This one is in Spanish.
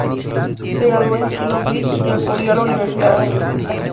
Se graduó en Knoxville y acudió a la Universidad de Santa Clara.